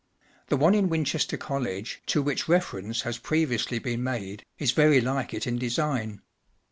The one in Winchester Col¬ lege, to which reference has previously been made, is very like it in design.